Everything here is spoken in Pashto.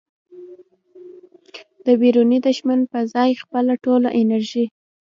د بیروني دښمن په ځای خپله ټوله انرژي